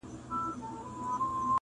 چي سیالي وي د قلم خو نه د تورو,